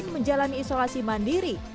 menjalani isolasi mandiri